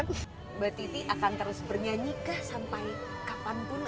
mbak titi akan terus bernyanyi kah sampai kapanpun